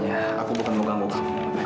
kalau kelola sungguhan en armada en court